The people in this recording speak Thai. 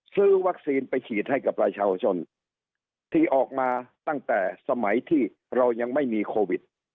ซื้อวัคซีนไปฉีดให้กับประชาชนที่ออกมาตั้งแต่สมัยที่เรายังไม่มีโควิด